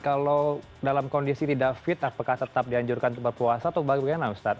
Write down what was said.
kalau dalam kondisi tidak fit apakah tetap dianjurkan untuk berpuasa atau bagaimana ustadz